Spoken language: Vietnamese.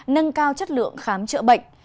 nâng cao chất lượng khám chữa bệnh